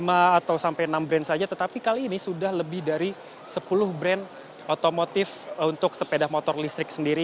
lima atau sampai enam brand saja tetapi kali ini sudah lebih dari sepuluh brand otomotif untuk sepeda motor listrik sendiri